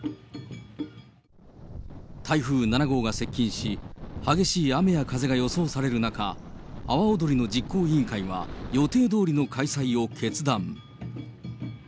台風７号が接近し、激しい雨や風が予想される中、阿波おどりの実行委員会は、予定どおりの開催を決断。